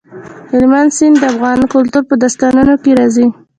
هلمند سیند د افغان کلتور په داستانونو کې راځي.